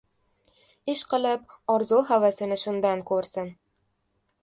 Ishqilib, orzu-havasini shundan ko‘rsin...